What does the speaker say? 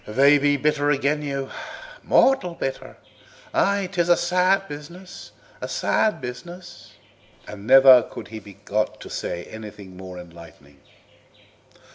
"They be bitter agen you, mortal bitter. Aye, 'tis a sad business, a sad business." And never could he be got to say anything more enlightening.